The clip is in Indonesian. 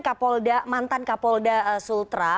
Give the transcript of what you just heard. kapolda mantan kapolda sultra